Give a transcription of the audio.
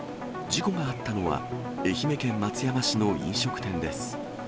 事故があったのは、愛媛県松山市の飲食店です。